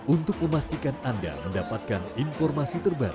untuk memastikan anda mendapatkan informasi terbaru